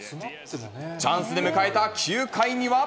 チャンスで迎えた９回には。